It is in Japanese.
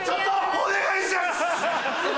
お願いします！